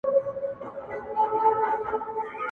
• خو چوپتيا لا درنه ده تل..